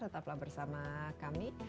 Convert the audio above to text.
tetaplah bersama kami